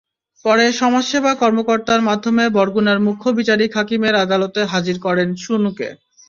পরে সমাজসেবা কর্মকর্তার মাধ্যমে বরগুনার মুখ্য বিচারিক হাকিমের আদালতে হাজির করেন সনুকে।